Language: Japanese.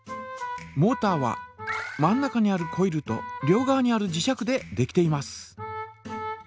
モータは真ん中にあるコイルと両側にある磁石でできています。